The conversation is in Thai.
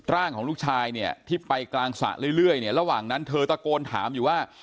ร่างของลูกชายเนี่ยที่ไปกลางสระเรื่อยเนี่ยระหว่างนั้นเธอตะโกนถามอยู่ว่า